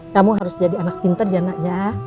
kamu harus jadi anak pinter ya nak ya